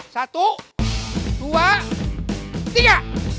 satu dua tiga